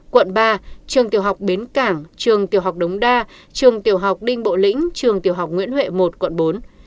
quận ba trường tiểu học bến cảng trường tiểu học đống đa trường tiểu học đinh bộ lĩnh trường tiểu học nguyễn huệ một quận bốn